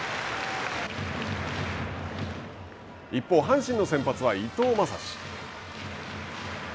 一方、阪神の先発は伊藤将司。